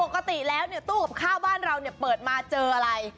ปกติแล้วตู้กับข้าวบ้านเราเปิดมาเจออะไร